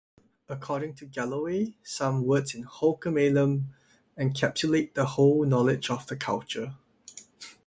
According to Galloway, some words in Halkomelem encapsulate the whole knowledge of the culture.